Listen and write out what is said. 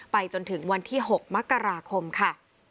จนถึงวันที่๖มกราคมค่ะ